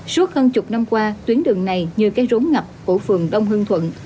suốt hơn chục năm qua tuyến đường này như cái rốn ngập của phường đông hương thuận